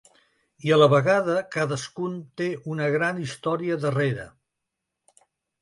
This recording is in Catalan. I, a la vegada, cadascun té una gran història darrere.